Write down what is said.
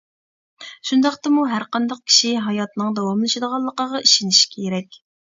شۇنداقتىمۇ ھەرقانداق كىشى ھاياتىنىڭ داۋاملىشىدىغانلىقىغا ئىشىنىشى كېرەك.